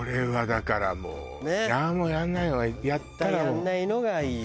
やらないのがいいよ